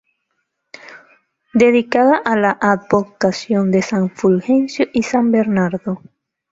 Dedicada a la advocación de San Fulgencio y San Bernardo.